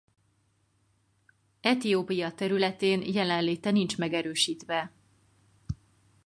Etiópia területén jelenléte nincs megerősítve.